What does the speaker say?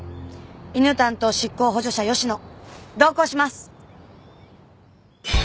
犬担当執行補助者吉野同行します！